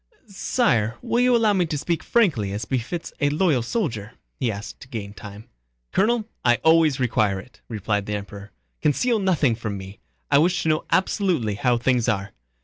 "Sire, will you allow me to speak frankly as befits a loyal soldier?" he asked to gain time. "Colonel, I always require it," replied the Emperor. "Conceal nothing from me, I wish to know absolutely how things are."